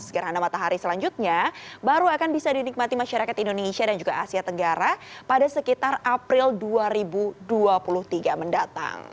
gerhana matahari selanjutnya baru akan bisa dinikmati masyarakat indonesia dan juga asia tenggara pada sekitar april dua ribu dua puluh tiga mendatang